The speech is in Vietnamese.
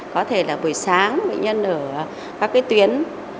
có thể là buổi sáng bệnh nhân ở các cái tuyến